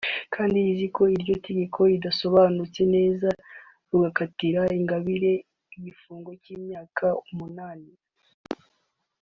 kandi ruzi ko iryo tegeko ridasobanutse neza rugakatira Ingabire igifungo cy’imyaka umunani